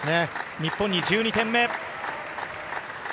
日本に１２点目。